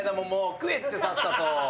食えってさっさと！